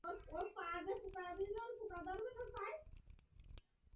গতকাল শনিবার সকালে ভাই ভাই নামের একটি ট্রলার সেতুর খুঁটিতে ধাক্কা দেয়।